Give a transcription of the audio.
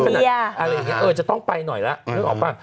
อะไรอย่างนี้เออจะต้องไปหน่อยละนึกออกป่ะ